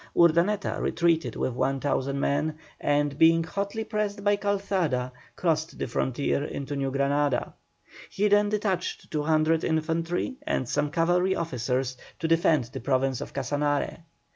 Urdaneta retreated with 1,000 men, and being hotly pressed by Calzada, crossed the frontier into New Granada. He then detached 200 infantry and some cavalry officers to defend the Province of Casanare.